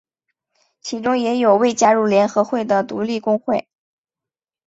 其中也有未加入联合会的独立工会。